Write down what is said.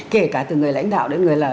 kể cả từ người lãnh đạo đến người là